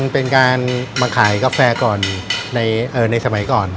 เป็นการมาขายกาแฟก่อนในสมัยก่อน